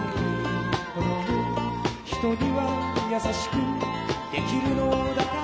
「人には優しくできるのだから」